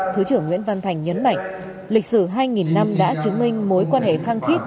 thứ trưởng nguyễn văn thành nhấn mạnh lịch sử hai năm đã chứng minh mối quan hệ khăng khít